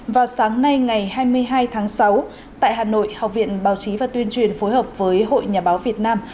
vào sáng nay ngày hai mươi hai tháng sáu tại hà nội học viện báo chí và tuyên truyền phối hợp với hội nhà báo việt nam